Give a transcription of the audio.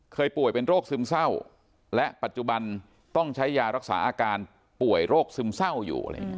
ป่วยเป็นโรคซึมเศร้าและปัจจุบันต้องใช้ยารักษาอาการป่วยโรคซึมเศร้าอยู่